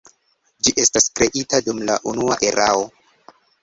Ĝi estas kreita dum la Unua Erao.